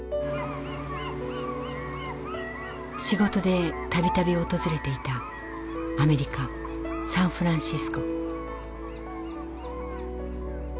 仕事で度々訪れていたアメリカ・サンフランシスコ。